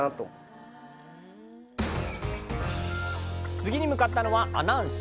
次に向かったのは阿南市。